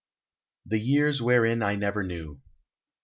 "THE YEARS WHEREIN I NEVER KNEW."